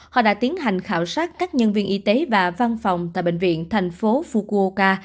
họ đã tiến hành khảo sát các nhân viên y tế và văn phòng tại bệnh viện thành phố fukoka